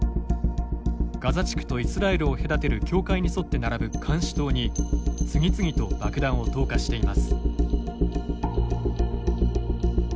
ガザ地区とイスラエルを隔てる境界に沿って並ぶ監視塔に次々と爆弾を投下しています。